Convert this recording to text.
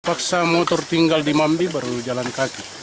paksa motor tinggal di mambi baru jalan kaki